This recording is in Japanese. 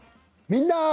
「みんな！